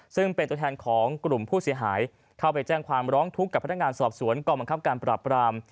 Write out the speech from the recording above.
ซึ่งเป็นตัวแทนของกลุ่มผู้เสียหายเข้าไปแจ้งความร้องทุกข์กับพนักงานสอบสวนกองบังคับการปราบราม